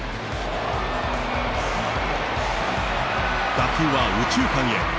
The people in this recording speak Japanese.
打球は右中間へ。